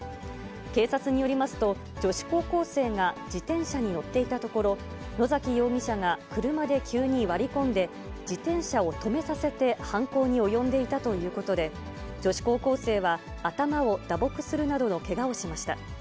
警察によりますと、女子高校生が自転車に乗っていたところ、野崎容疑者が車で急に割り込んで、自転車を止めさせて、犯行に及んでいたということで、女子高校生は頭を打撲するなどのけがをしました。